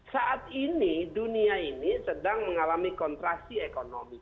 saat ini dunia ini sedang mengalami kontraksi ekonomi